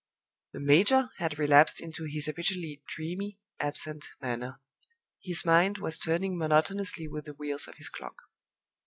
The major had relapsed into his habitually dreamy, absent manner; his mind was turning monotonously with the wheels of his clock.